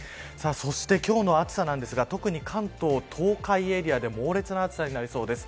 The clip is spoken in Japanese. そして今日の暑さなんですが特に関東、東海エリアで猛烈な暑さになりそうです。